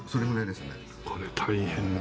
これ大変だ